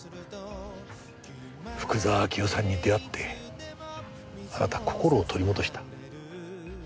福沢明夫さんに出会ってあなた心を取り戻した。